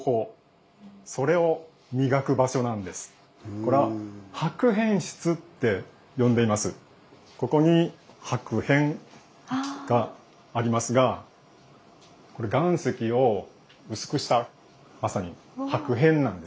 ここに薄片がありますがこれ岩石を薄くしたまさに薄片なんですね。